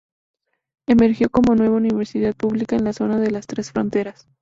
Emergió como nueva universidad pública en la zona de las Tres Fronteras.